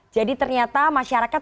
jadi ternyata masyarakat